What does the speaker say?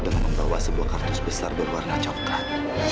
dengan membawa sebuah kartus besar berwarna coklat